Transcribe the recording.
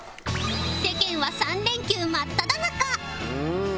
世間は３連休真っただ中！